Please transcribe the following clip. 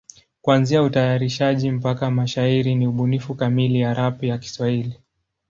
Kuanzia utayarishaji mpaka mashairi ni ubunifu kamili ya rap ya Kiswahili.